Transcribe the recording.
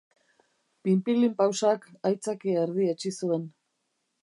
Pinpilinpausak aitzakia erdietsi zuen